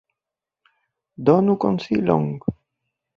Donu konsilon!